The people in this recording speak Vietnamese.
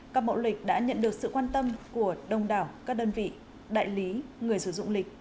các bộ lịch đã nhận được sự quan tâm của đông đảo các đơn vị đại lý người sử dụng lịch